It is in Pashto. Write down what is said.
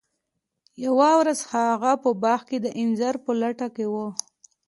یوه ورځ هغه په باغ کې د انځر په لټه کې و.